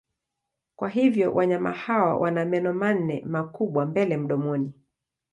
Kwa hivyo wanyama hawa wana meno manne makubwa mbele mdomoni.